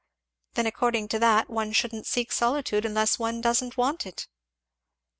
"Then according to that one shouldn't seek solitude unless one doesn't want it."